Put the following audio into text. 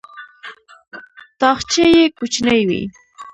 تاخچې یې کوچنۍ وې.